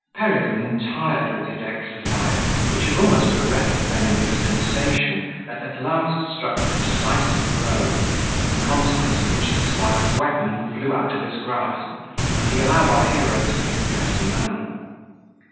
Peregrine, tired with his exercise, which had almost bereft his enemy of sensation, at last struck the decisive blow, in consequence of which the squire's weapon flew out of his grasp, and he allowed our hero to be the better man.